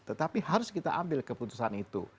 tetapi harus kita ambil keputusan itu